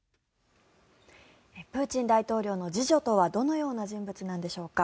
プーチン大統領の次女とはどのような人物なんでしょうか。